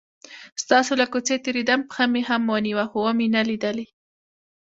ستاسو له کوڅې تیرېدم، پښه مې هم ونیوه خو ومې نه لیدلې.